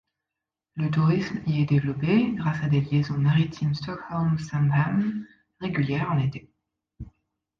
Le tourisme y est développé grâce à des liaisons maritimes Stockholm-Sandhamn régulières en été.